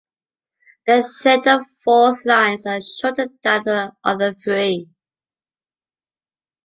The third and fourth lines are shorter than the other three.